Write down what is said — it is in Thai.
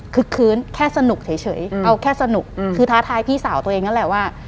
คือคืนแค่สนุกเฉยเอาแค่สนุกคือท้าทายพี่สาวตัวเองนั่นแหละว่า